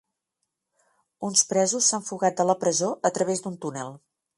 Uns presos s'han fugat de la presó a través d'un túnel.